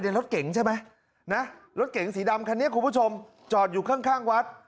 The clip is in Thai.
รถเก๋งใช่ไหมนะรถเก๋งสีดำคันนี้คุณผู้ชมจอดอยู่ข้างข้างวัด